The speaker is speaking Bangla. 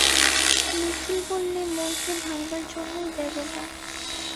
নিখিল বললে, মোহকে ভাঙবার জন্যেই দেবতা।